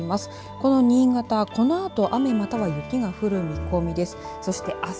この新潟、このあと雨または雪が降る見込みです。